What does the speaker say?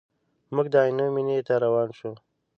موږ د عینو مینې ته روان شوو.